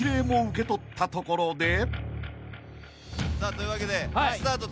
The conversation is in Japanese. というわけで。